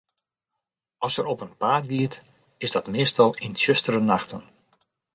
As er op 'en paad giet, is dat meastal yn tsjustere nachten.